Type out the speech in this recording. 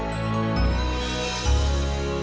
kalau inget kesan kesisan